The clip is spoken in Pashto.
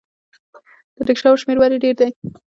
د ریکشاوو شمیر ولې ډیر دی؟